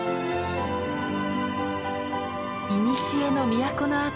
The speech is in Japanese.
いにしえの都の跡